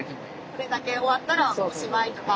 これだけ終わったらおしまいとか。